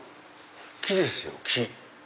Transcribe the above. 木ですよ木。